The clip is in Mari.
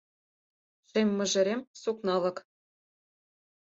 Шем мыжерем - сукналык